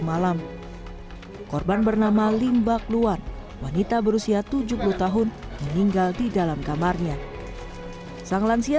malam korban bernama limba keluar wanita berusia tujuh puluh tahun meninggal di dalam kamarnya sang lansia